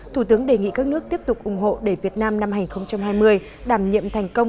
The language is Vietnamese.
thủ tướng đề nghị các nước tiếp tục ủng hộ để việt nam năm hai nghìn hai mươi đảm nhiệm thành công